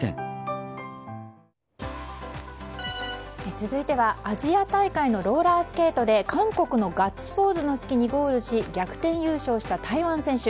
続いてはアジア大会のローラースケートで韓国のガッツポーズの隙にゴールし逆転優勝した台湾選手。